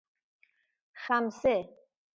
خمسه